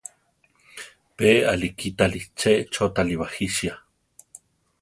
Pe arikítari che chótare bajisia.